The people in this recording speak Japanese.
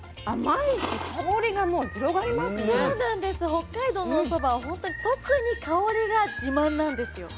北海道のおそばはほんとに特に香りが自慢なんですよ。